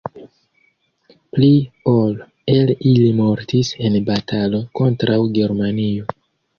Pli ol el ili mortis en batalo kontraŭ Germanio.